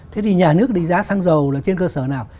thế thì nhà nước định giá xăng dầu là trên cơ sở nào